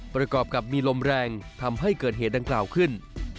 ประกอบกับมีลมแรงทำให้เกิดเหตุดังกล่าวขึ้น